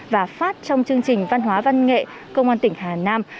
và phát trong chương trình văn hóa văn nghệ công an tỉnh hà nam